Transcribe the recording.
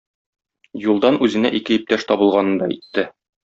Юлдан үзенә ике иптәш табылганын да әйтте.